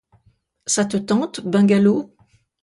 Ça te tente, « Bungalow »?